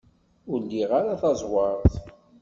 Ur liɣ ara taẓwert.